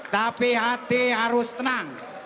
tapi hati harus tenang